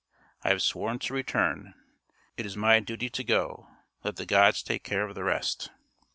I have sworn to return. It is my duty to go; let the gods take care of the rest."